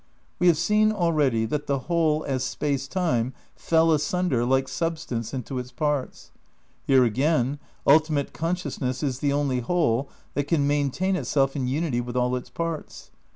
"We have seen already that the Whole as Space Time fell asunder, like Substance, into its parts. Here again, ultimate consciousness is the only Whole that can main tain itself in unity with all its parts.